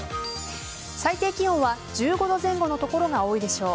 最低気温は１５度前後の所が多いでしょう。